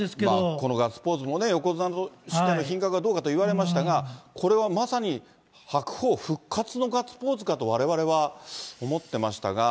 このガッツポーズもね、横綱としての品格がどうかって言われましたが、これはまさに、白鵬復活のガッツポーズかと、われわれは思ってましたが。